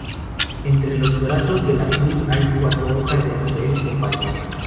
Entre los brazos de la cruz hay cuatro hojas de laurel con bayas.